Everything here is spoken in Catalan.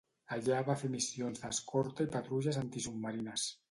Allà va fer missions d'escorta i patrulles antisubmarines.